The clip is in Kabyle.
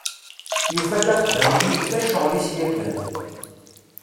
Yufa-d axeddam-nni yekfa ccɣel-is yakan.